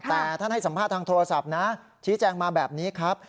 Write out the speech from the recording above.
แต่ท่านให้สัมภาษณ์ทางโทรศัพท์นะชี้แจงมาแบบนี้ครับ